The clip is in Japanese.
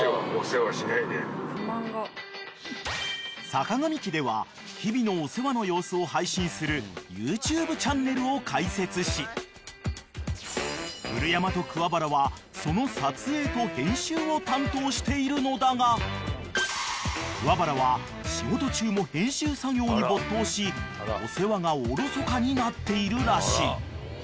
［坂上家では日々のお世話の様子を配信するＹｏｕＴｕｂｅチャンネルを開設し古山と桑原はその撮影と編集を担当しているのだが桑原は仕事中も編集作業に没頭しお世話がおろそかになっているらしい］